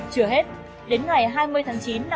chừa hết đến ngày hai mươi tháng chín năm hai nghìn một mươi tám